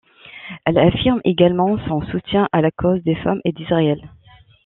Elle affirme également son soutien à la cause des femmes et d'Israël.